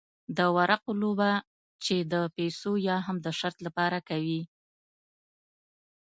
د ورقو لوبه چې د پیسو یا هم د شرط لپاره کوي.